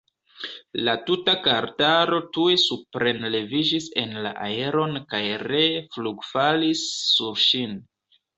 La tuta kartaro tuj suprenleviĝis en la aeron kaj ree flugfalis sur ŝin.